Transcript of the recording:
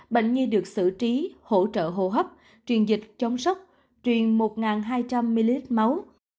bệnh nhi được xử trí hỗ trợ hồ hấp truyền dịch chống sốc truyền một hai trăm linh ml máu